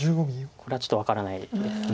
これはちょっと分からないです。